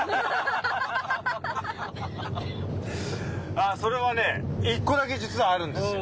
あぁそれはね１個だけ実はあるんですよ。